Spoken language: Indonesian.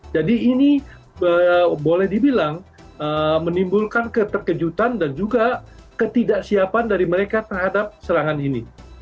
jadi ini boleh dibilang menimbulkan keterkejutan dan juga ketidaksiapan dari mereka terhadap serangan ini